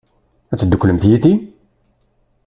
Ad tedduklemt yid-i?